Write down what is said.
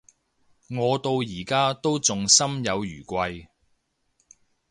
我到而家都仲心有餘悸